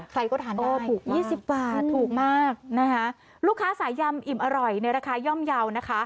ใครก็ทานได้ถูกยี่สิบบาทถูกมากนะคะลูกค้าสายยำอิ่มอร่อยในราคาย่อมเยาว์นะคะ